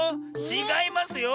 ちがいますよ。